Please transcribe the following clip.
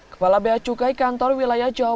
kepala beacukai kantor wilayah bandung selasa siang